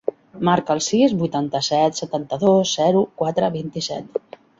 Marca el sis, vuitanta-set, setanta-dos, zero, quatre, vint-i-set.